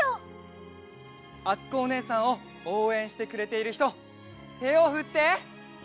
あつこおねえさんをおうえんしてくれているひとてをふって！